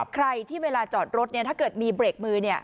ใครที่เวลาจอดรถถ้าเกิดมีเบรกมือ